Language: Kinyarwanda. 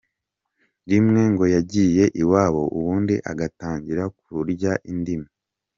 Rimwe ngo yagiye iwabo ubundi agatangira kurya indimi.”